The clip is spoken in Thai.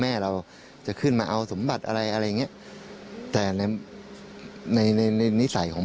แม่เราจะขึ้นมาเอาสมบัติอะไรอะไรอย่างเงี้ยแต่ในในในนิสัยของ